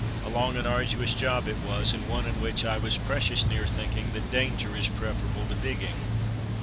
A long and arduous job it was, and one in which I was precious near thinking that danger is preferable to digging.